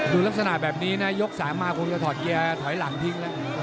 ลักษณะแบบนี้นะยก๓มาคงจะถอดเกียร์ถอยหลังทิ้งแล้ว